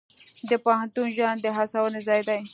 د پوهنتون ژوند د هڅونې ځای دی.